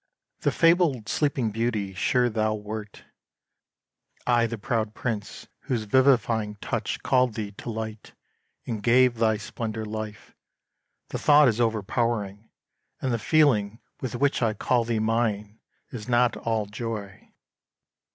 The fabled Sleeping Beauty sure thou wert! I the proud Prince whose vivifying touch Called thee to light and gave thy splendour life; The thought is overpowering; and the feeling With which I call thee mine is not all joy.